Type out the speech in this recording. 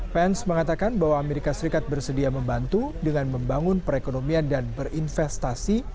pens mengatakan bahwa amerika serikat bersedia membantu dengan membangun perekonomian dan berinvestasi